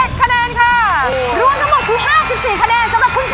รวมทั้งหมดถึง๕๔คะแนนสำหรับคุณชัย